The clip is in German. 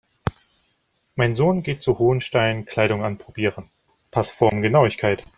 Mein Sohn geht zu Hohenstein, Kleidung anprobieren, Passformgenauigkeit.